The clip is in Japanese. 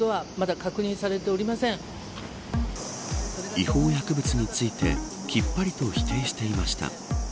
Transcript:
違法薬物についてきっぱりと否定していました。